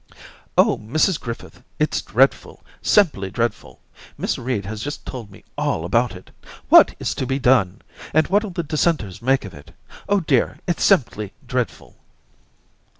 *Oh, Mrs Griffith, it's dreadful! simply dreadful! Miss Reed has just told me all about It. What is to be done ? And what'U the dissenters make of it ? Oh, dear, it's simply dreadful